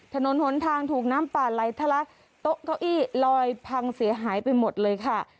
ถนนหนทางถูกน้ำป่าไหลทะลักโต๊ะเก้าอี้ลอยพังเสียหายไปหมดเลยค่ะ